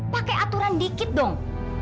pakai aturan dikit dong